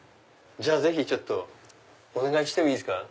ぜひお願いしてもいいですか？